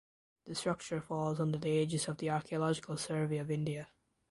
The structure falls under the aegis of the Archaeological Survey of India.